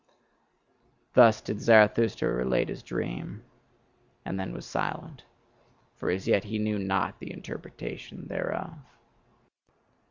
Thus did Zarathustra relate his dream, and then was silent: for as yet he knew not the interpretation thereof.